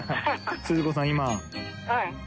鈴子さん）